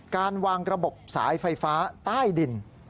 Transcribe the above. การวางระบบสายไฟฟ้าใต้ดิน